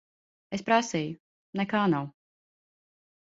Es prasīju. Nekā nav.